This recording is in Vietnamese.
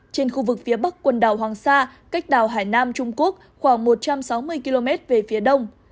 trên khu vực phía bắc quần đảo hoàng sa cách đảo hải nam trung quốc khoảng một trăm sáu mươi km về phía đông